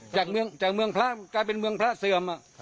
จากเมืองพระกลายเป็นเมืองพระเสื่อม